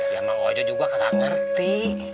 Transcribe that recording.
ya emang ojo juga gak ngerti